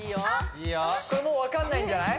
これもう分かんないんじゃない？